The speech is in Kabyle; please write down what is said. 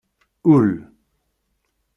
Ul.